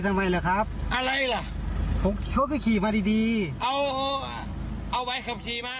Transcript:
ทำไมเหรอครับอะไรเหรอเขาก็ขี่มาดีดีเอาเอาไว้ขับขี่มา